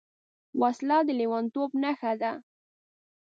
وسله د لېونتوب نښه ده